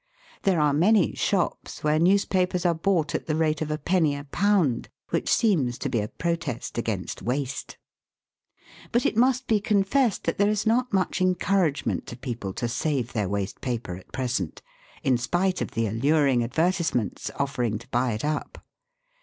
There are many shops where news papers are bought at the rate of a penny a pound, which seems to be a protest against waste. But it must be confessed that there is not much en couragement to people to save their waste paper at present, in spite of the alluring advertisements offering to buy it up.